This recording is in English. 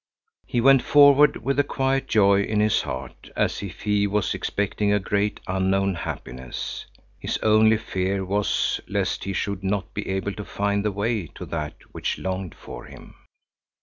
He went forward with a quiet joy in his heart, as if he was expecting a great, unknown happiness. His only fear was lest he should not be able to find the way to that which longed for him.